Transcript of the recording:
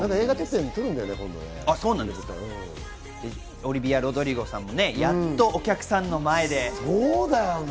オリヴィア・ロドリゴさんもやっとお客さんの前でね。